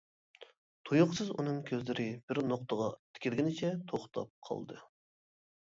تۇيۇقسىز ئۇنىڭ كۆزلىرى بىر نۇقتىغا تىكىلگىنىچە توختاپ قالدى.